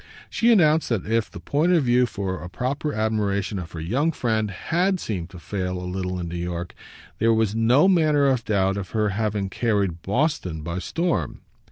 She announced that if the point of view for a proper admiration of her young friend HAD seemed to fail a little in New York, there was no manner of doubt of her having carried Boston by storm.